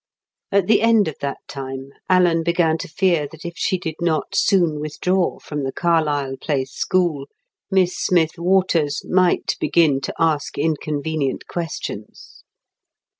At the end of that time, Alan began to fear that if she did not soon withdraw from the Carlyle Place School, Miss Smith Waters might begin to ask inconvenient questions.